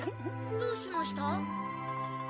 どうしました？